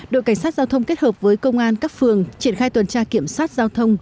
đội cảnh sát giao thông kết hợp với công an các phường triển khai tuần tra kiểm soát giao thông